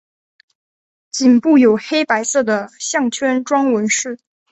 颈部有黑白色的项圈状纹饰。